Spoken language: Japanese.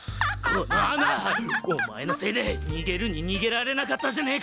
このアマ！お前のせいで逃げるに逃げられなかったじゃねえか！